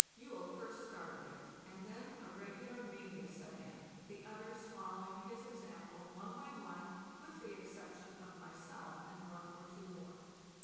Juell first started it, and then a regular mania set in, the others following his example one by one, with the exception of myself and one or two more.